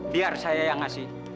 biar saya yang kasih